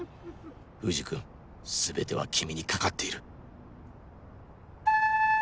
藤君全ては君に懸かっている